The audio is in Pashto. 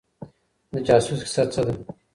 د جاسوس کيسه څه ده؟